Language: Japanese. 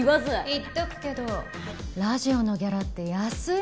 言っとくけどラジオのギャラって安いわよ。